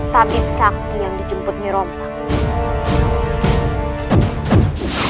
tapi sakti yang dijemputnya romak